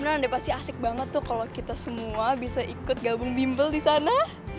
beneran deh pasti asik banget tuh kalo kita semua bisa ikut gabung bimbel disana